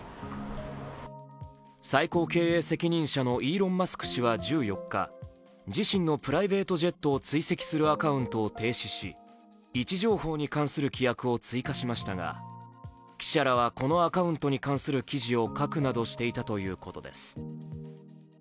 最高経営責任者のイーロン・マスク氏は１４日、自身のプライベートジェットを追跡するアカウントを停止し位置情報に関する規約を追加しましたが記者らはこのアカウントに関する記事を書くなどしていたということです。